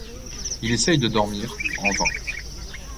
Il essaye de dormir, en vain.